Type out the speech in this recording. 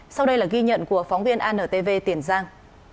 sau đây là ghi nhận của phóng viên antv tiền giang